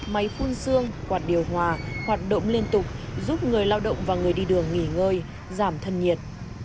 máy phun xương quạt điều hòa hoạt động liên tục giúp người lao động và người đi đường nghỉ ngơi giảm thân nhiệt